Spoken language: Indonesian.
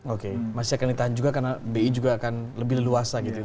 oke masih akan ditahan juga karena bi juga akan lebih leluasa gitu ya